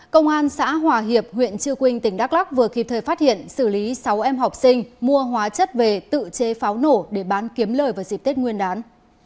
công an xã hòa hiệp huyện trư quynh tỉnh đắk lắc vừa kịp thời phát hiện xử lý sáu em học sinh mua hóa chất về tự chế pháo nổ để bán kiếm lời vào dịp tết nguyên đán